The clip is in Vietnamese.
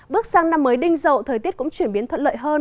bước sang năm mới đinh dậu thời tiết cũng chuyển biến thuận lợi hơn